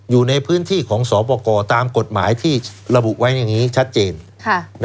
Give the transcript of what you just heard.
อยู่ในพื้นที่ของสอบประกอบตามกฎหมายที่ระบุไว้อย่างนี้ชัดเจน